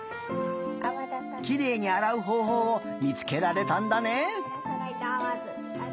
きれいにあらうほうほうをみつけられたんだね。